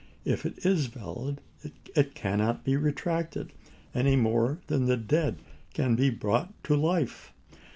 If it is valid it cannot be retracted, any more than the dead can be brought to life.